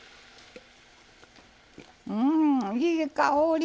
うんいい香り！